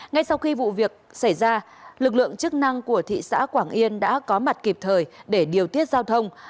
ngay sau khi vụ việc xảy ra lực lượng chức năng của thị xã quảng yên đã có mặt kịp thời để điều tiết giao thông